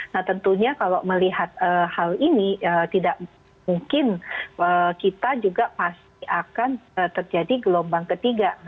nah tentunya kalau melihat hal ini tidak mungkin kita juga pasti akan terjadi gelombang ketiga